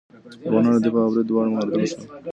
افغانانو د دفاع او برید دواړه مهارتونه ښودل.